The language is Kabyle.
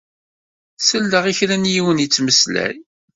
Selleɣ i kra n yiwen yettmeslay.